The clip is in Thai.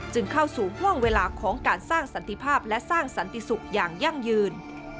เข้าสู่ห่วงเวลาของการสร้างสันติภาพและสร้างสันติสุขอย่างยั่งยืน